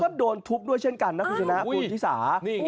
เนี่ยก็โดนทุบด้วยเช่นกันนะนะครับคุณคุณฮิศา